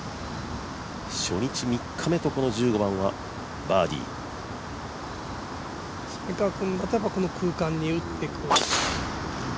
初日３日目とこの１５番はバーディー蝉川君は多分この空間に打ってくる。